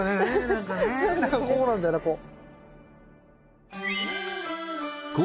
何かこうなんだよなこう。